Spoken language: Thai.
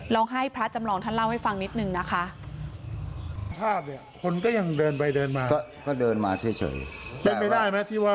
ให้พระจำลองท่านเล่าให้ฟังนิดนึงนะคะ